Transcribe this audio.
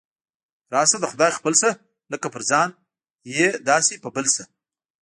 راشه د خدای خپل شه، لکه په ځان یې داسې په بل شه.